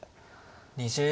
２０秒。